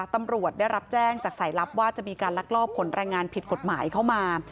ตำรวจได้รับแจ้งจากสายลับว่าจะมีการลักลอบขนแรงงานผิดกฎหมายเข้ามา